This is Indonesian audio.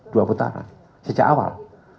dua putaran sejak awal